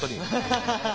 ハハハハハ！